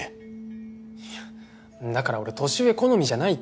いやだから俺年上好みじゃないって。